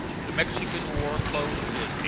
The Mexican War closed in 1848.